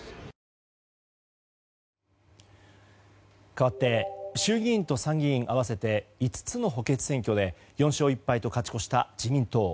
かわって衆議院と参議院合わせて５つの補欠選挙で４勝１敗と勝ち越した自民党。